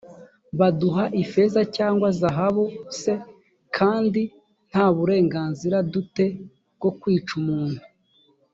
baduha ifeza cyangwa zahabu c kandi nta burenganzira du te bwo kwica umuntu